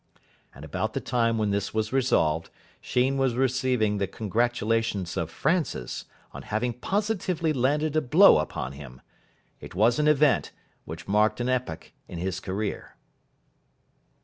And about the time when this was resolved, Sheen was receiving the congratulations of Francis on having positively landed a blow upon him. It was an event which marked an epoch in his career.